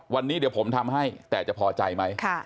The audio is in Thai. วันนี้เดี๋ยวผมทำให้แต่จะพอใจไหม